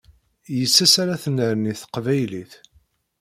Yes-s ara tennerni teqbaylit.